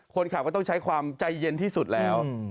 คนขับก็ต้องใช้ความใจเย็นที่สุดแล้ว